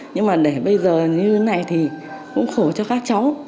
nhưng mà để bây giờ như thế này thì cũng khổ cho các cháu